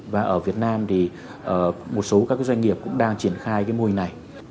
và ở việt nam thì một số các doanh nghiệp cũng đang triển khai cái mô hình này